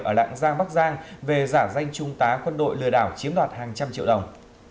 ở lạng giang bắc giang về giả danh trung tá quân đội lừa đảo chiếm đoạt hàng trăm triệu đồng